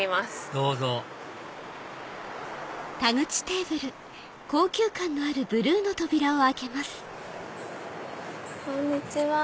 どうぞこんにちは。